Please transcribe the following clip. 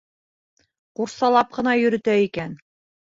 Ҡурсалап ҡына йөрөтә икән.